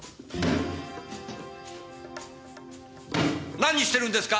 何してるんですか？